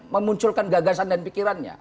memunculkan gagasan dan pikirannya